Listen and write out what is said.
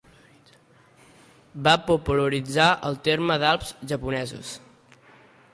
Va popularitzar el terme d'Alps japonesos.